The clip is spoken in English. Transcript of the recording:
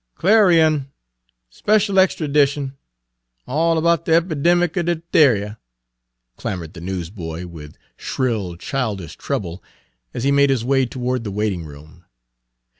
"Clarion, special extry 'dition! All about de epidemic er dipt'eria!" clamored the newsboy with shrill childish treble, as he made his way toward the waiting room.